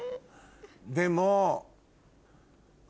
でも。